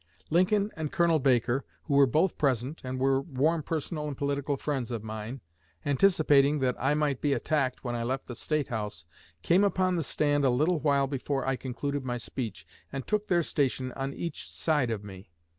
Lincoln and Colonel Baker, who were both present and were warm personal and political friends of mine, anticipating that I might be attacked when I left the State House, came upon the stand a little while before I concluded my speech and took their station on each side of me.